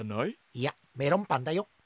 いやメロンパンだよ。